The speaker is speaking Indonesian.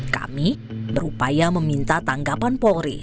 kami berupaya meminta tanggapan polri